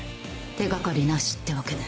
手掛かりなしってわけね。